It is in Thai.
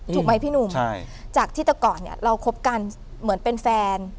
ถูกไหมพี่หนุ่มใช่จากที่แต่ก่อนเนี่ยเราคบกันเหมือนเป็นแฟน